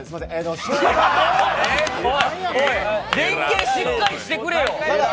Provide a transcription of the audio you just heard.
おい、連携しっかりしてくれよ！